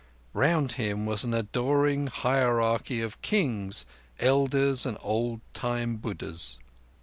Round Him was an adoring hierarchy of kings, elders, and old time Buddhas.